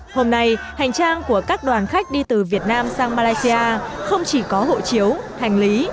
hôm nay hành trang của các đoàn khách đi từ việt nam sang malaysia không chỉ có hộ chiếu hành lý